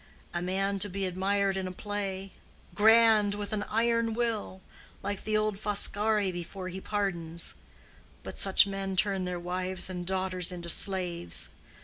A man to be admired in a play—grand, with an iron will. Like the old Foscari before he pardons. But such men turn their wives and daughters into slaves.